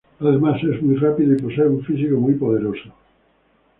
Además es muy rápido y posee un muy potente físico.